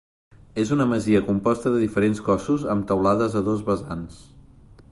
És una masia composta de diferents cossos amb teulades a dos vessants.